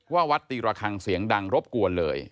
วัดตีระคังเสียงดังรบกวนเลย